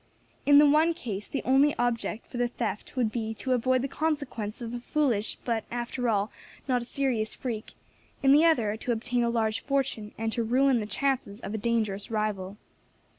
In the one case the only object for the theft would be to avoid the consequence of a foolish, but, after all, not a serious freak; in the other to obtain a large fortune, and to ruin the chances of a dangerous rival.